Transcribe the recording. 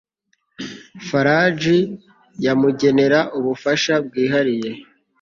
farg yamugenera ubufasha bwihariye